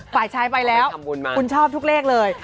ฝ่ายชายไปแล้วคุณชอบทุกเลขเลย